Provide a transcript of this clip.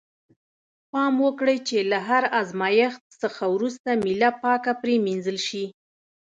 پام وکړئ چې له هر آزمایښت څخه وروسته میله پاکه پرېمینځل شي.